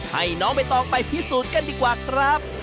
ให้น้องใบตองไปพิสูจน์กันดีกว่าครับ